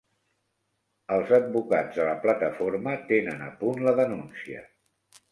Els advocats de la Plataforma tenen a punt la denúncia.